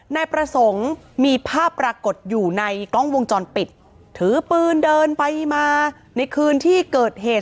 นายประสงค์มีภาพปรากฏอยู่ในกล้องวงจรปิดถือปืนเดินไปมาในคืนที่เกิดเหตุ